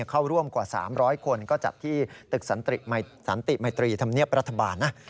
เข้าร่วมกว่า๓๐๐คนก็จัดที่ตึกสันติมัยตรีธรรมเนียบรัฐบาลนะ